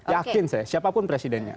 yakin saya siapapun presidennya